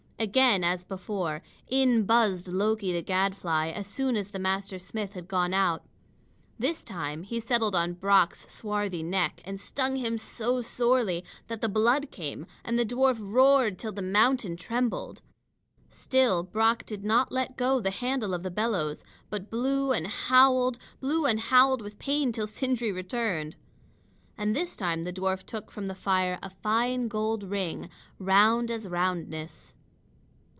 Again, as before, in buzzed Loki the gadfly as soon as the master smith had gone out. This time he settled on Brock's swarthy neck, and stung him so sorely that the blood came and the dwarf roared till the mountain trembled. Still Brock did not let go the handle of the bellows, but blew and howled blew and howled with pain till Sindri returned. And this time the dwarf took from the fire a fine gold ring, round as roundness.